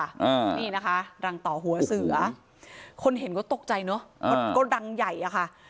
อ่านี่นะคะรังต่อหัวเสือคนเห็นก็ตกใจเนอะมันก็รังใหญ่อะค่ะ